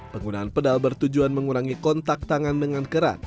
penggunaan pedal bertujuan mengurangi kontak tangan dengan kerat